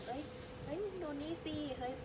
เฮ้ยดูนี่สิเฮ้ยดูนี่ดูนี่อะไรอย่างนี้